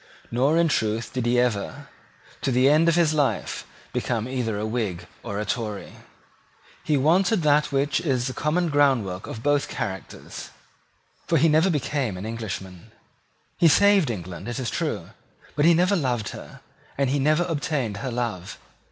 Nor in truth did he ever, to the end of his life, become either a Whig or a Tory. He wanted that which is the common groundwork of both characters; for he never became an Englishman. He saved England, it is true; but he never loved her, and he never obtained her love.